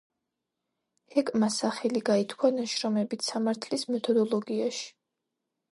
ჰეკმა სახელი გაითქვა ნაშრომებით სამართლის მეთოდოლოგიაში.